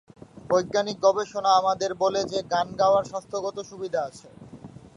বৈজ্ঞানিক গবেষণা আমাদের বলে যে গান গাওয়ার স্বাস্থ্যগত সুবিধা আছে।